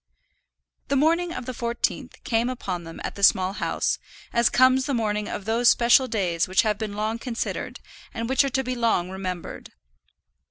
The morning of the fourteenth came upon them at the Small House, as comes the morning of those special days which have been long considered, and which are to be long remembered.